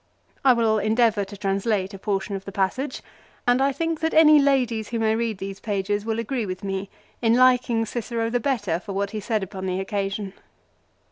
I will endeavour to translate a portion of the passage, and I think that any ladies who may read these pages will agree with me in liking Cicero the better for what he said upon the occasion.